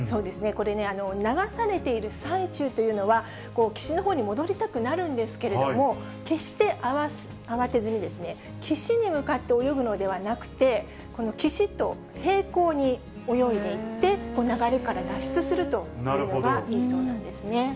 これね、流されている最中というのは、岸のほうに戻りたくなるんですけれども、決して慌てずに、岸に向かって泳ぐのではなくて、この岸と平行に泳いでいって、流れから脱出するというのがいいそうなんですね。